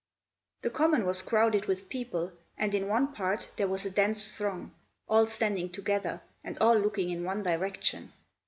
The Common was crowded with people, and in one part there was a dense throng, all standing together, and all looking in one direction.